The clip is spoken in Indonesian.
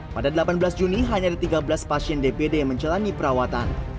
pada delapan belas juni hanya ada tiga belas pasien dpd yang menjalani perawatan